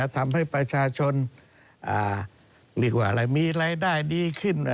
ทำให้ประชาชนมีรายได้ดีขึ้น